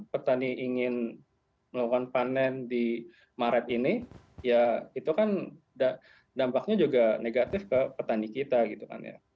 petani ingin melakukan panen di maret ini ya itu kan dampaknya juga negatif ke petani kita gitu kan ya